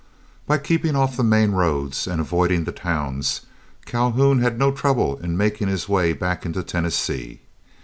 By keeping off the main roads and avoiding the towns, Calhoun had no trouble in making his way back into Tennessee.